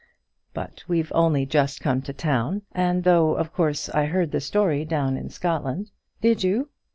"But we've only just come to town; and though of course I heard the story down in Scotland " "Did you?"